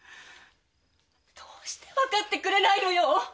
どうして分かってくれないのよ。